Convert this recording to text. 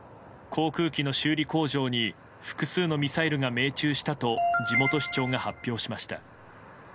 航空機の修理工場に複数のミサイルが命中したと地元市長が発表しました。